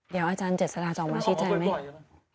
เดี๋ยวอาจารย์เจ็ดสราจออกมาชิดใจไหม